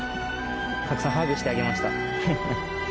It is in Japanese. たくさんハグしてあげました。